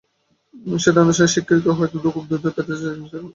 সেটার আনুষ্ঠানিক স্বীকৃতিও হয়তো খুব দ্রুতই পেতে যাচ্ছেন ইংল্যান্ডের সাবেক অধিনায়ক।